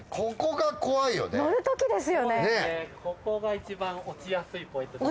ここがいちばん落ちやすいポイントです。